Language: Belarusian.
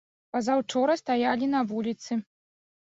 Пазаўчора стаялі на вуліцы.